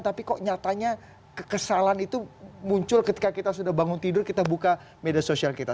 tapi kok nyatanya kekesalan itu muncul ketika kita sudah bangun tidur kita buka media sosial kita